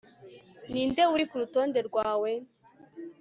Ninde uri kurutonde rwawe